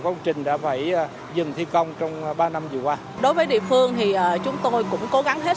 công trình đã phải dừng thi công trong ba năm vừa qua đối với địa phương thì chúng tôi cũng cố gắng hết